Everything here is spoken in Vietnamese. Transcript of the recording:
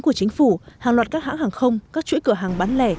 của chính phủ hàng loạt các hãng hàng không các chuỗi cửa hàng bán lẻ